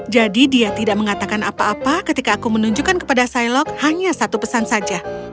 jadi dia tidak mengatakan apa apa ketika aku menunjukkan kepada sailok hanya satu pesan saja